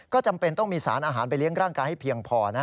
ก็จำเป็นต้องมีสารอาหารไปเลี้ยงร่างกายให้เพียงพอ